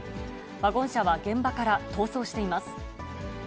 ワゴン車は現場から逃走しています。